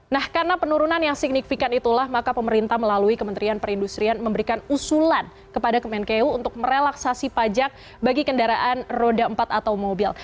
nah karena penurunan yang signifikan itulah maka pemerintah melalui kementerian perindustrian memberikan usulan kepada kemenkeu untuk merelaksasi pajak bagi kendaraan roda empat atau mobil